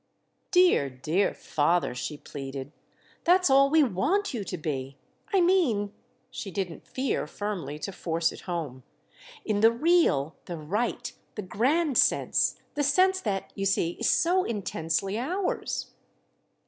"Dear, dear father," she pleaded, "that's all we want you to be! I mean"—she didn't fear firmly to force it home—"in the real, the right, the grand sense; the sense that, you see, is so intensely ours."